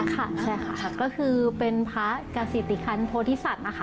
ค่ะใช่ค่ะก็คือเป็นพระกษิติคันโพธิสัตว์นะคะ